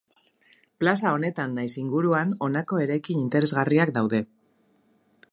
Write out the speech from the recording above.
Plaza honetan nahiz inguruan honako eraikin interesgarriak daude.